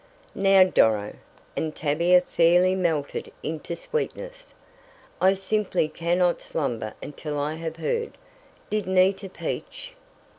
"Now, Doro," and Tavia fairly melted into sweetness, "I simply cannot slumber until I have heard. Did Nita peach?"